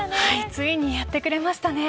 ついにやってくれましたね。